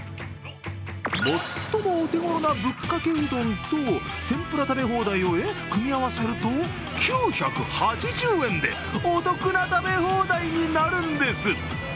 最もお手ごろな、ぶっかけうどんと天ぷら食べ放題を組み合わせると９８０円でお得な食べ放題になるんです。